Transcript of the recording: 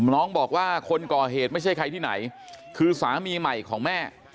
น้องบอกว่าคนก่อเหตุไม่ใช่ใครที่ไหนคือสามีใหม่ของแม่